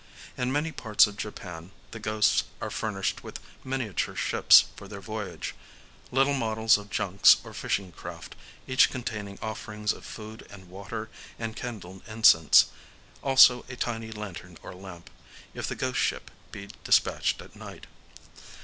In many parts of Japan, the ghosts are furnished with miniature ships for their voyage,—little models of junks or fishing craft, each containing offerings of food and water and kindled incense; also a tiny lantern or lamp, if the ghost ship be despatched at night.